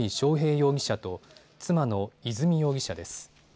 容疑者と妻の和美容疑者です。